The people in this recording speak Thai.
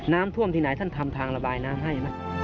น้ำท่วมที่ไหนท่านทำทางระบายน้ำให้ไหม